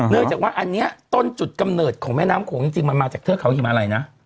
เนื่องจากว่าอันนี้ต้นจุดกำเนิดของแม่น้ำโขงจริงมันมาจากเทือกเขาหิมาลัยนะ